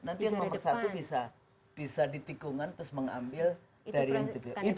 nanti yang nomor satu bisa ditikungan terus mengambil dari intipi